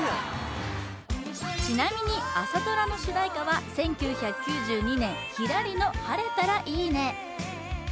ちなみに朝ドラの主題歌は１９９２年「ひらり」の「晴れたらいいね」